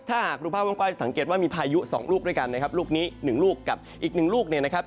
ถ้าหากดูภาพกว้างสังเกตว่ามีพายุสองลูกด้วยกันนะครับลูกนี้หนึ่งลูกกับอีกหนึ่งลูกเนี่ยนะครับ